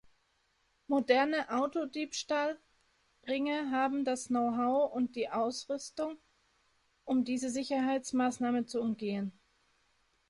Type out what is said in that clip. Moderne Autodiebstahl-„Ringe“ haben das Know-how und die Ausrüstung, um diese Sicherheitsmaßnahme zu umgehen.